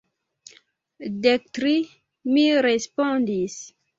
Dek tri, mi respondis.